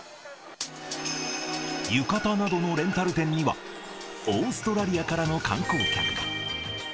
浴衣などのレンタル店には、オーストラリアからの観光客が。